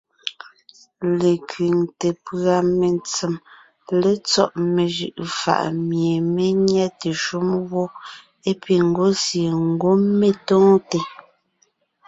Lekẅiŋte pʉ̀a mentsém létsɔ́ mejʉ’ʉ fà’ mie mé nyɛte shúm wó é piŋ ńgwɔ́ sie ńgwɔ́ mé tóonte.